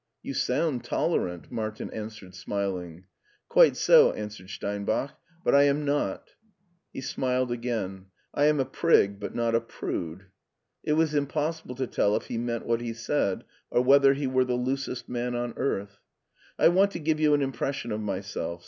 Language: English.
You sound tolerant," Martin answered smiling. Quite so," answered Steinbach, "but I am not" He smiled again. " I am a prig but not a prude," It was impossible to tdl if he meant what he said, or whether he were the loosest man on earth. " I want to give you an impression of myself.